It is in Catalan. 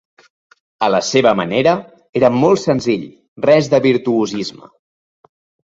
A la seva manera, era molt senzill, res de virtuosisme.